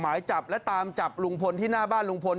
หมายจับและตามจับลุงพลที่หน้าบ้านลุงพล